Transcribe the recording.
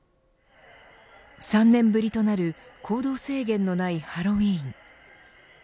３年ぶりとなる行動制限のないハロウィーン。